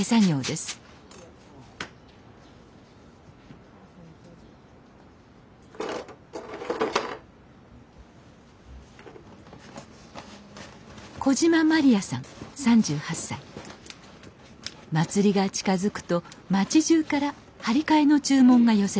祭りが近づくと町じゅうから張り替えの注文が寄せられます